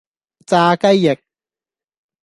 炸雞翼